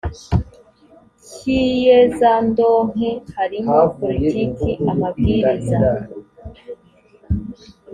cy iyezandonke harimo politiki amabwiriza